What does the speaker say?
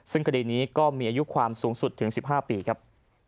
ซึ่งคดีนี้ก็มีอายุความสูงสุดถึง๑๕ปีครับ